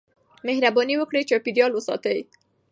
مهرباني وکړئ چاپېريال وساتئ.